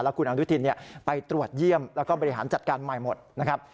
คุณอนุทินไปตรวจเยี่ยมแล้วก็บริหารจัดการใหม่หมดนะครับ